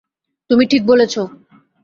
তুমি ঠিক বলেছো।